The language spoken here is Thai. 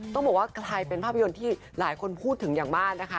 ต้องบอกว่ากลายเป็นภาพยนตร์ที่หลายคนพูดถึงอย่างมากนะคะ